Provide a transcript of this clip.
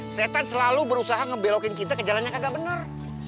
setan selalu berusaha ngebelokin kita ke jalan yang agak benar